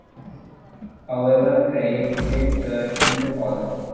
However Craig came third in the poll.